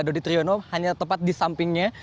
dodi triyono hanya tepat di sampingnya